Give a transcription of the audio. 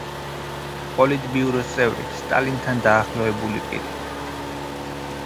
პოლიტბიუროს წევრი, სტალინთან დაახლოებული პირი.